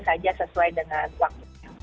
saja sesuai dengan waktu